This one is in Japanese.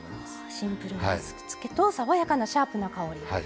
シンプルな味付けと爽やかなシャープな香り。